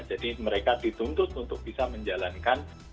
jadi mereka dituntut untuk bisa menjalankan